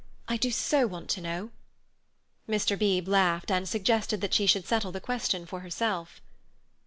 I do so want to know." Mr. Beebe laughed and suggested that she should settle the question for herself.